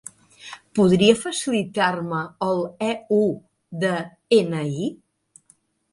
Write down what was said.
Podria facilitar-me el eu de-ena-i?